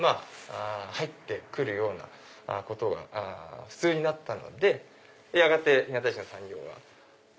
入って来るようなことが普通になったのでやがて日向石の産業は。